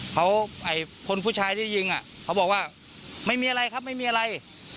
เขาไอ้คนผู้ชายที่ยิงอ่ะเขาบอกว่าไม่มีอะไรครับไม่มีอะไร